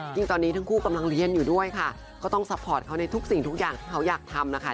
ตอนนี้ทั้งคู่กำลังเรียนอยู่ด้วยค่ะก็ต้องซัพพอร์ตเขาในทุกสิ่งทุกอย่างที่เขาอยากทำนะคะ